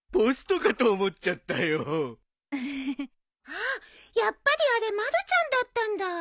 あっやっぱりあれまるちゃんだったんだ。